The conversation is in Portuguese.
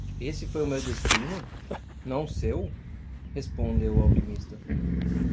"Esse foi o meu destino? não seu?" respondeu o alquimista.